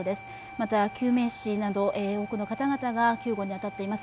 また、救命士など多くの方々が救護に当たっています。